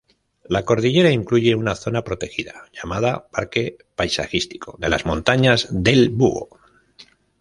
La cordillera incluye una zona protegida llamada Parque Paisajístico de las Montañas del Búho.